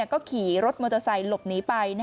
ก็ขี่รถมอเตอร์ไซค์หลบหนีไป